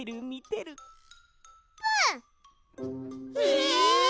え！？